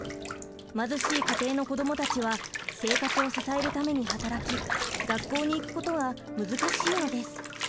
貧しい家庭の子どもたちは生活を支えるために働き学校に行くことが難しいのです。